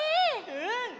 うん！